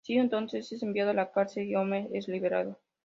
Ziff, entonces, es enviado a la cárcel, y Homer es liberado.